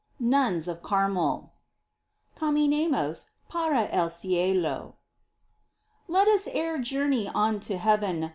NUNS OF CARMEL. Caminemos para el cielo. Let us e'er journey on to heaven.